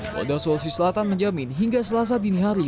polda sulawesi selatan menjamin hingga selasa dini hari